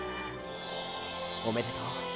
おめでとう。